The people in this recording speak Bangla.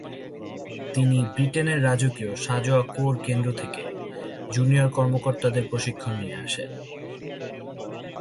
তিনি ব্রিটেনের রাজকীয় সাঁজোয়া কোর কেন্দ্র থেকে জুনিয়র কর্মকর্তাদের প্রশিক্ষণ নিয়ে আসেন।